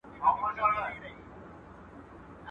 اره، اره ، لور پر غاړه.